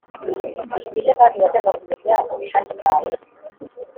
Ni nde kandi wajyaga kumenya ubushake bwawe,